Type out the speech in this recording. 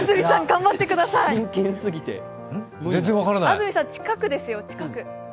安住さん、近くですよ、近く。